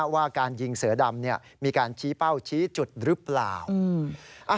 ว่าการยิงเสือดำมีการชี้เป้าชี้จุดหรือเปล่า